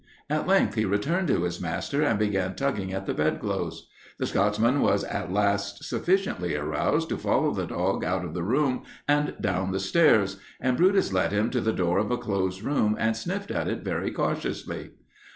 At length he returned to his master and began tugging at the bedclothes. The Scotchman was at last sufficiently aroused to follow the dog out of the room and down the stairs, and Brutus led him to the door of a closed room and sniffed at it very cautiously.